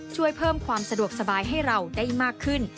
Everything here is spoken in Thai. ช่วยเพิ่มความสะดวกสบายให้เราได้มากขึ้น